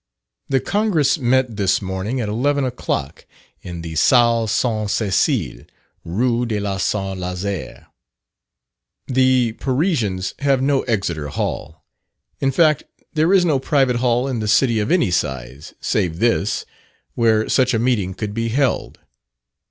The Congress met this morning at 11 o'clock, in the Salle St. Cecile, Rue de la St. Lazare. The Parisians have no "Exeter Hall:" in fact, there is no private hall in the city of any size, save this, where such a meeting could be held.